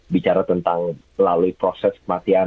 bicara tentang melalui proses kematian